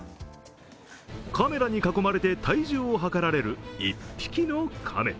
カメラに囲まれて体重を量られる１匹の亀。